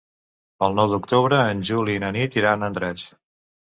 El nou d'octubre en Juli i na Nit iran a Andratx.